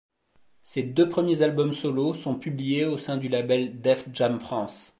Ses deux premiers albums solo sont publiés au sein du label Def Jam France.